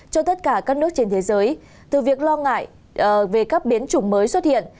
cho tất cả các nước trên thế giới từ việc lo ngại về các biến chủng mới xuất hiện